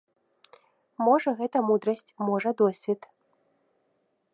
Можа, гэта мудрасць, можа, досвед.